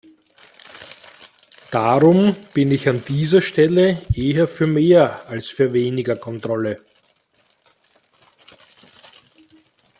Darum bin ich an dieser Stelle eher für mehr als für weniger Kontrolle.